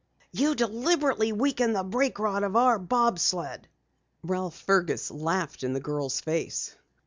"You deliberately weakened the brake rod of our bob sled." Ralph Fergus laughed in the girl's face.